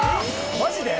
マジで？